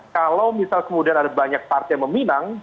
kalau misal kemudian ada banyak partai yang meminang